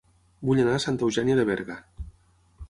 Vull anar a Santa Eugènia de Berga